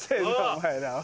お前らは。